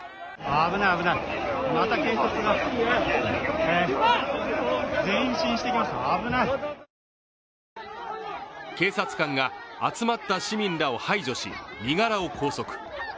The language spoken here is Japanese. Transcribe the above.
警察官が集まった市民らを排除し、身柄を拘束。